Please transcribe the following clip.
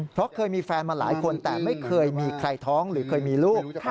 เพราะเคยมีแฟนมาหลายคนแต่ไม่เคยมีใครท้องหรือเคยมีลูก